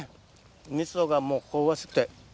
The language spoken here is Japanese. みそがもう香ばしくて。